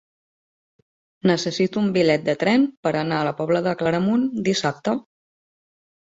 Necessito un bitllet de tren per anar a la Pobla de Claramunt dissabte.